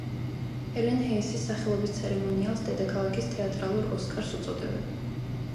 ჰელენ ჰეისის სახელობის ცერემონიალს დედაქალაქის თეატრალურ ოსკარს უწოდებენ.